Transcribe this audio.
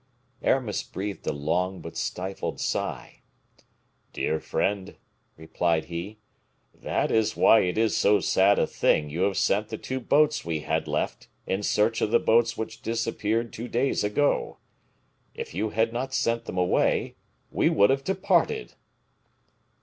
Aramis breathed a long, but stifled sigh. "Dear friend," replied he: "that is why it is so sad a thing you have sent the two boats we had left in search of the boats which disappeared two days ago. If you had not sent them away, we would have departed."